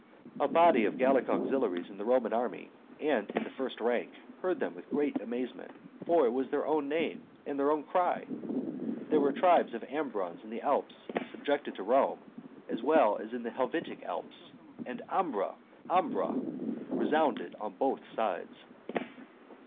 a body of Gallic auxiliaries in the Roman army, and in the first rank, heard them with great amazement; for it was their own name and their own cry; there were tribes of Ambrons in the Alps subjected to Rome as well as in the Helvetic Alps; and Ambra! Ambra! resounded on both sides.